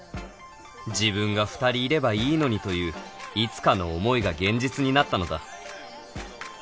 「自分が２人いればいいのに」といういつかの思いが現実になったのだ